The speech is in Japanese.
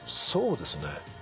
そうですね。